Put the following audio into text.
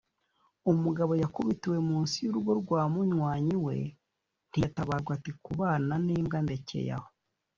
Umugabo yakubitiwe mu nsi yurugo rwa munywanyi we ntiyatabarwa ati kubana n’imbwa ndekeye aho.